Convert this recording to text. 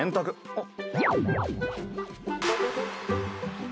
あっ！